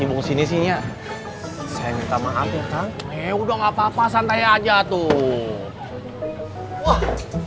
udah nggak apa apa santai aja tuh